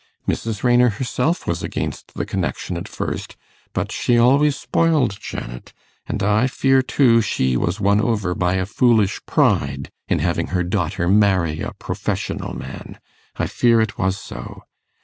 Mrs. Raynor herself was against the connection at first; but she always spoiled Janet, and I fear, too, she was won over by a foolish pride in having her daughter marry a professional man. I fear it was so.